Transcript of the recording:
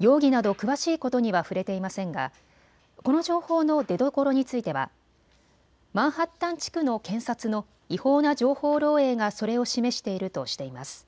容疑など詳しいことには触れていませんがこの情報の出どころについてはマンハッタン地区の検察の違法な情報漏えいがそれを示しているとしています。